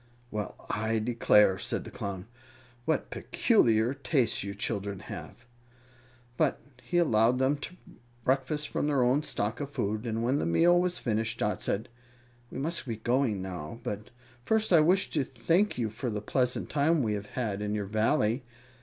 "Well, I declare!" said the Clown. "What peculiar tastes you children have!" But he allowed them to breakfast from their own stock of food, and when the meal was finished Dot said, "We must be going now; but first I wish to thank you for the pleasant time we have had in your Valley.